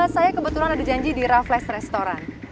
saya kebetulan ada janji di raffles restoran